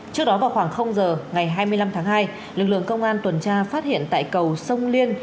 trước đó vào khoảng giờ ngày hai mươi năm tháng hai lực lượng công an tuần tra phát hiện tại cầu sông liên